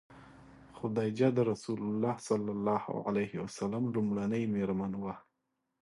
خدیجه د رسول الله ﷺ لومړنۍ مېرمن وه.